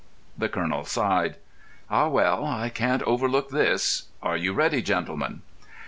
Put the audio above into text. The colonel sighed. "Ah, well, I can't overlook this. Are you ready, gentlemen?"